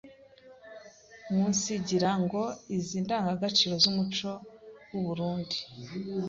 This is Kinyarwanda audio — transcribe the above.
Umunsigira ngo izi ndangagaciro z’umuco w’u Burunndi